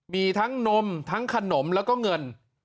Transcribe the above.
มีทั้งนมทั้งขนมแล้วก็เงิน